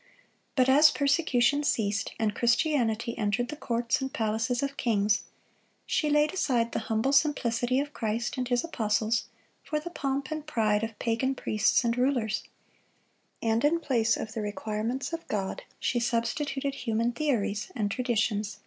But as persecution ceased, and Christianity entered the courts and palaces of kings, she laid aside the humble simplicity of Christ and His apostles for the pomp and pride of pagan priests and rulers; and in place of the requirements of God, she substituted human theories and traditions.